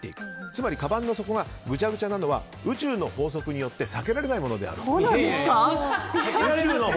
つまりかばんの底がぐちゃぐちゃなのは宇宙の法則によって避けられないものである。